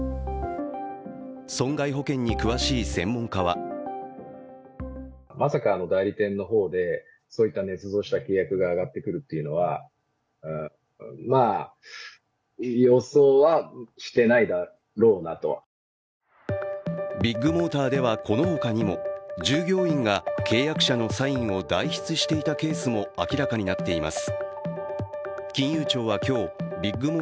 損害保険に詳しい専門家はビッグモーターでは、このほかにも従業員が契約者のサインを代筆していたケースも明らかになっています。